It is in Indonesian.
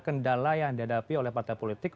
kendala yang dihadapi oleh partai politik